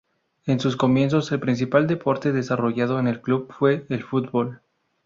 En sus comienzos el principal deporte desarrollado en el club fue el fútbol.